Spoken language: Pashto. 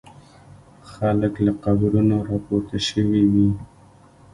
خلک له قبرونو را پورته شوي وي.